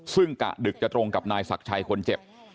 ซึ่งกะดึกจะตรงกับนายศักดิ์ชัยคนเจ็บ